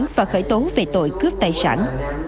và khởi tố về tội cướp tài sản